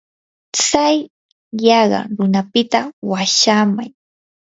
tsay yaqa runapita washaamay.